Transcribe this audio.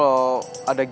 saya tidur bel